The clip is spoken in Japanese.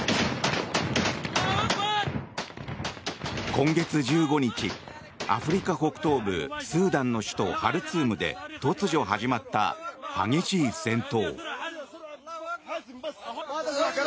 今月１５日アフリカ北東部スーダンの首都ハルツームで突如始まった激しい戦闘。